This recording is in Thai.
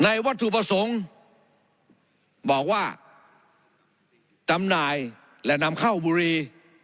วัตถุประสงค์บอกว่าจำหน่ายและนำเข้าบุรี